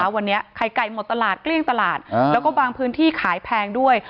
วันนี้ไข่ไก่หมดตลาดเกลี้ยงตลาดแล้วก็บางพื้นที่ขายแพงด้วย